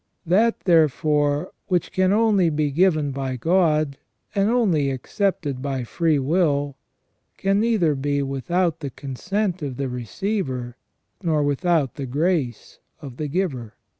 That, therefore, which can only be given by God, and only accepted by free will, can neither be without the consent of the receiver nor without the grace of the Giver.